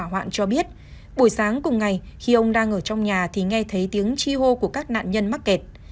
hỏa hoạn cho biết buổi sáng cùng ngày khi ông đang ở trong nhà thì nghe thấy tiếng chi hô của các nạn nhân mắc kẹt